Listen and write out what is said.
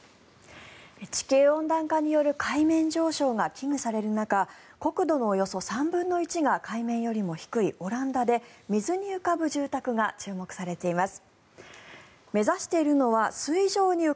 地球温暖化による海面上昇が危惧される中国土のおよそ３分の１が海面よりも低いオランダで水に浮かぶ住宅が注目されています。